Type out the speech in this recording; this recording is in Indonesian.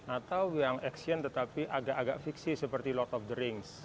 atau yang action tetapi agak agak fiksi seperti lod of the rings